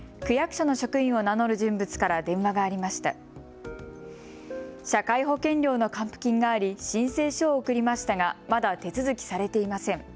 社会保険料の還付金があり申請書を送りましたがまだ手続きされていません。